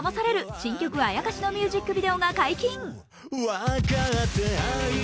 新曲「妖」のミュージックビデオが解禁。